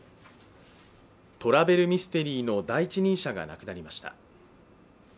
トラベルミステリーの第一人者が亡くなりました。